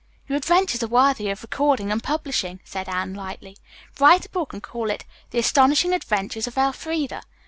"Your adventures are worthy of recording and publishing," said Anne lightly. "Write a book and call it 'The Astonishing Adventures of Elfreda'."